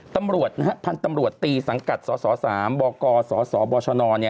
ตำรวจพันธุ์ตำรวจตีสังกัดสส๓บกสบชน